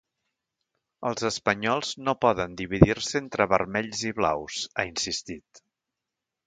Els espanyols no poden dividir-se entre vermells i blaus, ha insistit.